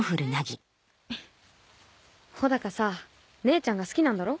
帆高さ姉ちゃんが好きなんだろ？